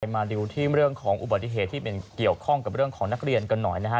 มาดูที่เรื่องของอุบัติเหตุที่เป็นเกี่ยวข้องกับเรื่องของนักเรียนกันหน่อยนะฮะ